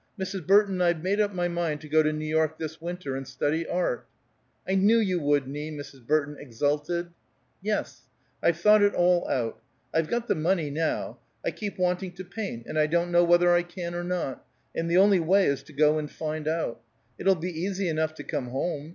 "Mrs. Burton, I've made up my mind to go to New York this winter, and study art." "I knew you would, Nie!" Mrs. Burton exulted. "Yes. I've thought it all out. I've got the money, now. I keep wanting to paint, and I don't know whether I can or not, and the only way is to go and find out. It'll be easy enough to come home.